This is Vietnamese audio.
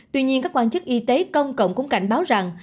tuy nhiên các quan chức y tế công cộng cũng cảnh báo rằng